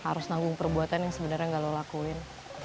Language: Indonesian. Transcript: harus nanggung perbuatan yang sebenarnya gak lo lakuin